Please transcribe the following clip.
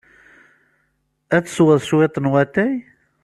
Ad tesweḍ cwiṭ n watay?